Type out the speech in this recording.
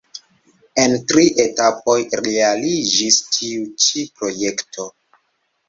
En tri etapoj realiĝis tiu ĉi projekto.